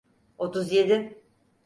Otuz yedi.